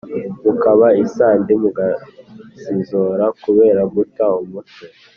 mukaba isandi mugasizora kubera guta umutwe